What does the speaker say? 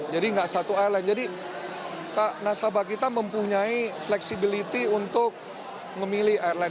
jadi tidak satu airline jadi nasabah kita mempunyai fleksibilitas untuk memilih airline